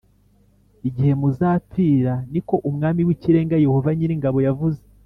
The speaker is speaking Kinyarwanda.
igihe muzapfira ni ko Umwami w Ikirenga Yehova nyir ingabo yavuze